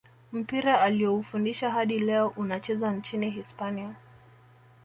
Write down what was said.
mpira alioufundisha hadi leo unachezwa nchini hispania